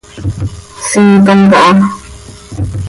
Siitom caha.